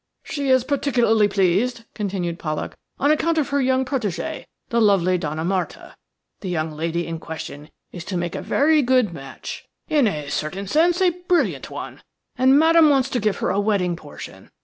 "She is particularly pleased," continued Pollak, "on account of her young protegée, the lovely Donna Marta. The young lady in question is to make a very good match – in a certain sense a brilliant one; and Madame wants to give her a wedding portion.